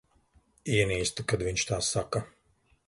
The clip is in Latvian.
Ienīstu, kad viņš tā saka.